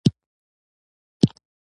عبارت یوازي د پوهېدو له پاره دئ.